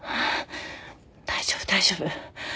大丈夫大丈夫。